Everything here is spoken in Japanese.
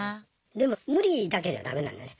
でも無理だけじゃダメなんだね。